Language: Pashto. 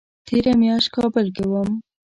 تېره میاشت کابل کې وم